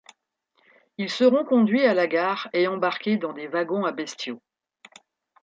Ils seront conduits à la gare et embarqués dans des wagons à bestiaux.